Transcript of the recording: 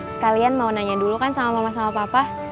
sekalian mau nanya dulu kan sama mama sama papa